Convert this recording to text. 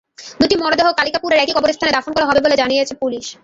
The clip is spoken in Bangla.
দুটি মরদেহ কালিকাপুরের একই কবরস্থানে দাফন করা হবে বলে জানিয়েছে পুলিশ।